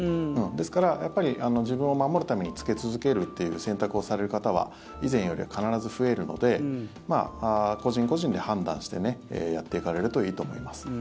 ですから、自分を守るために着け続けるという選択をされる方は以前より必ず増えるので個人個人で判断してやっていかれるといいと思います。